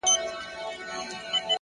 لوړې هیلې لوړې هڅې غواړي!